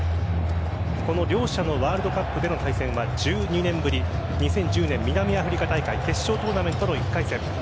この両者のワールドカップでの対戦は１２年ぶり２０１０年南アフリカ大会決勝トーナメントの１回戦。